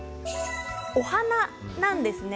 お花なんですね。